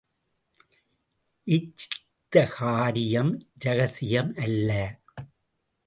இச்சித்த காரியம் இரகசியம் அல்ல,